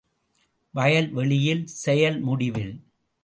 வயல் வெளியில் செயல் முடிவில்!